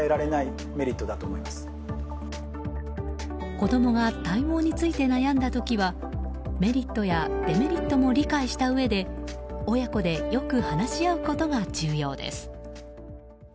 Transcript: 子供が体毛について悩んだ時はメリットやデメリットも理解したうえで親子でよく話し合うことが重要です。